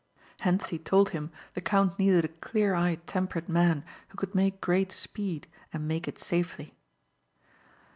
Hentzi told him the count needed a clear eyed, temperate man who could make great speed and make it safely.